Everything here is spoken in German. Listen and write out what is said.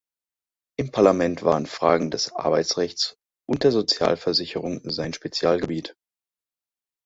Im Parlament waren Fragen des Arbeitsrechts und der Sozialversicherung sein Spezialgebiet.